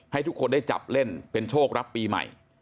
ให้ทุกคนได้จับเล่นเป็นโชครับปีใหม่